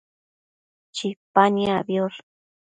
Chipa niacbiosh